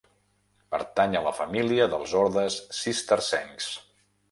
Pertany a la família dels ordes cistercencs.